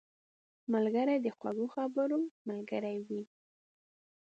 ملګری د خوږو خبرو ملګری وي